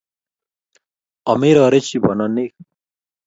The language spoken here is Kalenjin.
omerorichi bononik